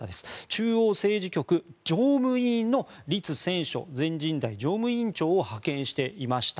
中央政治局常務委員のリツ・センショ全人代常務委員長を派遣していました。